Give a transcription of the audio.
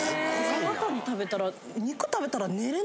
夜中に食べたら。